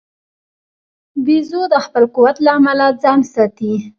بیزو د خپل قوت له امله ځان ساتي.